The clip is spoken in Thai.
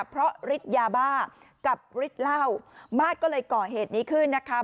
เพราะฤทธิ์ยาบ้ากับฤทธิ์เหล้ามาสก็เลยก่อเหตุนี้ขึ้นนะคะ